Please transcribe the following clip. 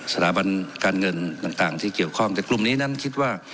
สถาบันการเงินต่างที่เกี่ยวข้องแต่กลุ่มนี้นั้นคิดว่า